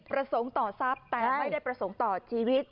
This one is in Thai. ประสงค์ต่อทรัพย์แต่ไม่ได้ประสงค์ต่อชีวิต